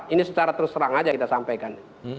ini secara terus terang aja kita sampaikan